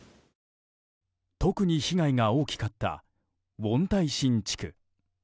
特に被害が大きかったウォンタイシン地区。